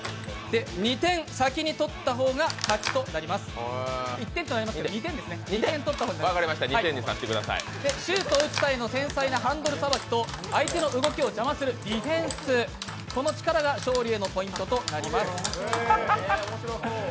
２点先に取った方が勝ちとなりますシュートを打つ際の繊細なハンドルさばきと、相手の動きを邪魔するディフェンス、その力が勝利へのポイントとなります。